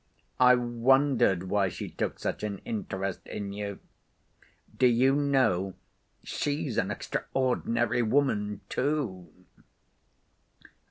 I wondered why she took such an interest in you. Do you know, she's an extraordinary woman, too!"